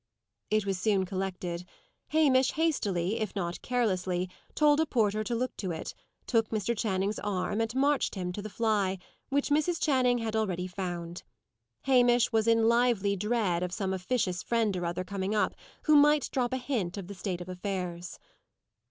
It was soon collected. Hamish hastily, if not carelessly, told a porter to look to it, took Mr. Channing's arm, and marched him to the fly, which Mrs. Channing had already found. Hamish was in lively dread of some officious friend or other coming up, who might drop a hint of the state of affairs.